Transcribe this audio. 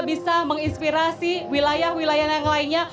bisa menginspirasi wilayah wilayah yang lainnya